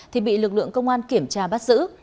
thì bị lực lượng công an kiểm tra bắt giữ